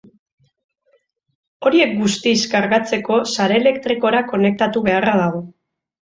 Horiek guztiz kargatzeko sare elektrikora konektatu beharra dago.